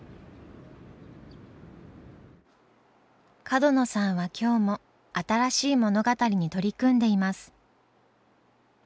角野さんは今日も新しい物語に取り組んでいます。